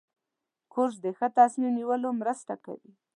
کورس د ښه تصمیم نیولو مرسته کوي.